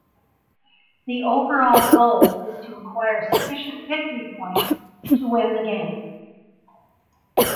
The overall goal is to acquire sufficient victory points to win the game.